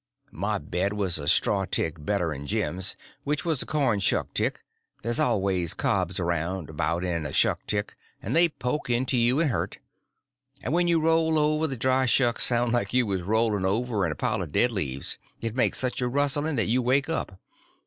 My bed was a straw tick better than Jim's, which was a corn shuck tick; there's always cobs around about in a shuck tick, and they poke into you and hurt; and when you roll over the dry shucks sound like you was rolling over in a pile of dead leaves; it makes such a rustling that you wake up.